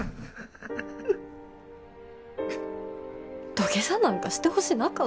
土下座なんかしてほしなかった。